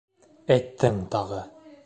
- Әйттең тағы.